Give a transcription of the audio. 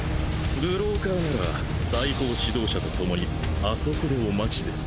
ブローカーなら最高指導者と共に彼処でお待ちです。